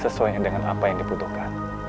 sesuai dengan apa yang dibutuhkan